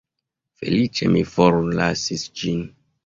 Feliĉe mi forlasis ĝin.